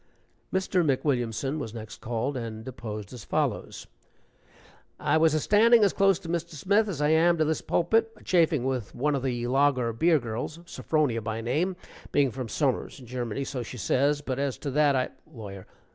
Mr. McWilliamson was next called, and deposed as follows: "I was a standing as close to Mr. Smith as I am to this pulpit, a chaffing with one of the lager beer girls Sophronia by name, being from summers in Germany, so she says, but as to that, I " LAWYER.